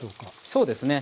そうですね。